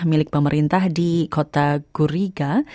milik pemerintah di kota guriga